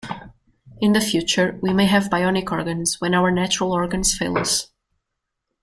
In the future, we may have bionic organs when our natural organs fail us.